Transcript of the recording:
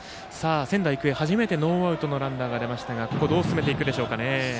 仙台育英は初めてノーアウトのランナーが出ましたがどう進めていくでしょうか。